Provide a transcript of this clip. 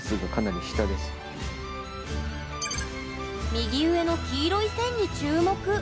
右上の黄色い線に注目。